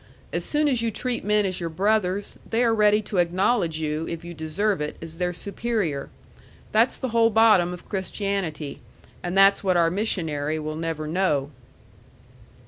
As soon as you treat men as your brothers, they are ready to acknowledge you if you deserve it as their superior. That's the whole bottom of Christianity, and that's what our missionary will never know."